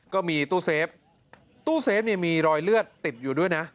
ก็มีตู้เซฟตู้เซฟเนี่ยมีรอยเลือดติดอยู่ด้วยนะ